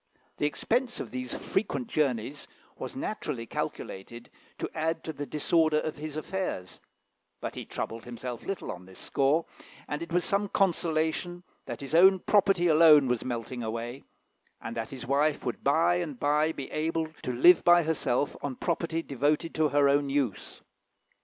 The expense of these frequent journeys was naturally calculated to add to the disorder of his affairs; but he troubled himself little on this score, and it was some consolation that his own property alone was melting away, and that his wife would by and by be able to live by herself on property devoted to her own use.